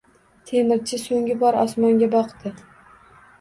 Temirchi so’nggi bor osmonga boqdi.